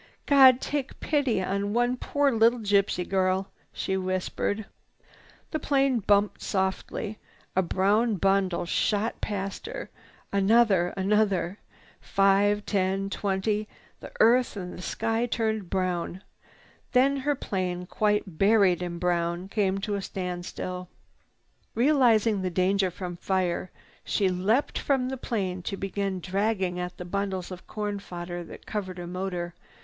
"God take pity on one poor little gypsy girl!" she whispered. The plane bumped softly. A brown bundle shot past her, another and another, five, ten, twenty. The earth and sky turned brown. Then, her plane quite buried in brown, she came to a standstill. Realizing the danger from fire, she leaped from the plane to begin dragging at the bundles of corn fodder that covered her motor.